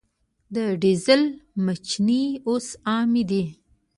د ډیزل میچنې اوس عامې دي.